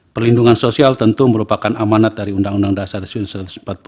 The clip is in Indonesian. perlindungan sosial tentu merupakan amanat dari undang undang dasar seribu sembilan ratus empat puluh lima